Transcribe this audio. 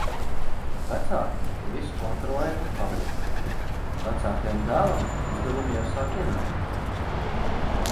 Vecāki to visu kontrolē un palīdz. Vecākajam dēlam uzdevumi jau sāk ienākt.